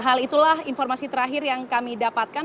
hal itulah informasi terakhir yang kami dapatkan